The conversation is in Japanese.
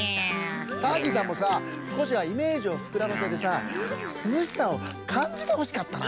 ターキーさんもさすこしはイメージをふくらませてさすずしさをかんじてほしかったな。